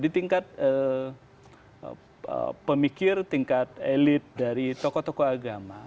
di tingkat pemikir tingkat elit dari tokoh tokoh agama